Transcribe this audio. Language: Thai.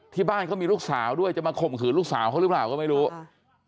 ที่บ้านเขามีลูกสาวด้วยจะมาข่มขืนลูกสาวเขาหรือเปล่าก็ไม่รู้อืม